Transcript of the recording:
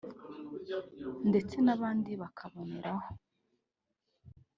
ndetse n’abandi bakaboneraho